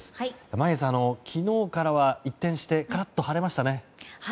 眞家さん、昨日からは一転してカラッと晴れましたね。